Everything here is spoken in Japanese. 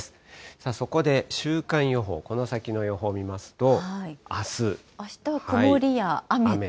さあ、そこで週間予報、この先のあしたは曇りや雨と？